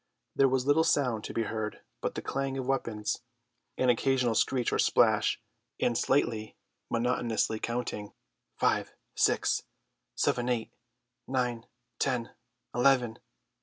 There was little sound to be heard but the clang of weapons, an occasional screech or splash, and Slightly monotonously counting—five—six—seven—eight—nine—ten—eleven.